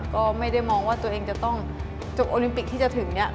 ก็ไม่ได้มองว่าตัวเองจะต้องจบโอลิมปิกที่จะถึงเนี่ย